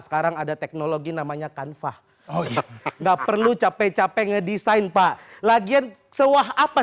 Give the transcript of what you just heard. sekarang ada teknologi namanya kanva nggak perlu capek capek ngedesain pak lagian sewah apa